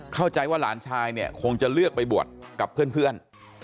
เข้าใจว่าหลานชายเนี่ยคงจะเลือกไปบวชกับเพื่อน